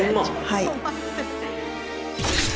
はい。